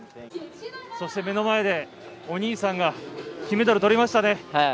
目の前で、お兄さんが金メダル、とりましたね。